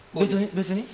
別に。